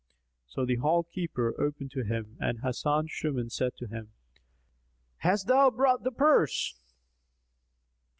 So the hall keeper opened to him and Hasan Shuman said to him, "Hast thou brought the purse?"